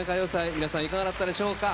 皆さん、いかがだったでしょうか。